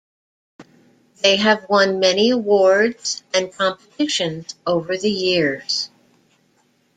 They have won many awards and competitions over the years.